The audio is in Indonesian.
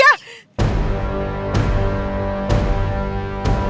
yaudah makasih ya